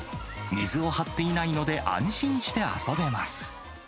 水を張っていないので、安心して遊べます。